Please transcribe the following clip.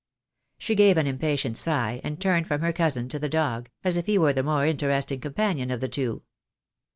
She gave an impatient sigh, and turned from her cousin to the dog, as if he were the more interesting com panion of the two.